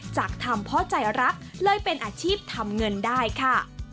จากทำเพราะใจรักเลยเป็นอาชีพทำเงินได้ค่ะ